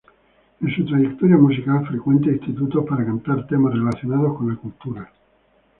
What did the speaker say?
En su trayectoria musical frecuenta institutos para cantar temas relacionados con la cultura.